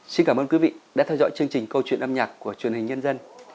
xin cảm ơn quý vị đã theo dõi chương trình câu chuyện âm nhạc của truyền hình nhân dân